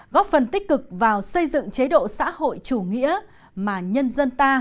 góp phần tích cực vào xây dựng chế độ xã hội chủ nghĩa mà nhân dân ta